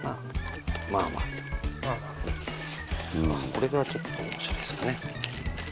これがちょっと面白いですかね。